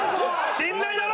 信頼だろ！